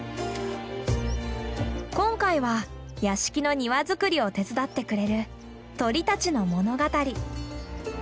今回は屋敷の庭作りを手伝ってくれる鳥たちの物語。